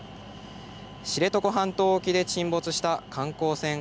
知床半島沖で沈没した観光船